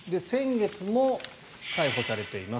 先月も逮捕されています。